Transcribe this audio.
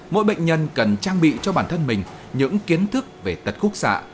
mỗi bệnh nhân cần trang bị cho bản thân mình những kiến thức về tật khúc xạ